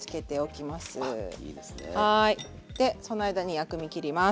はいでその間に薬味切ります。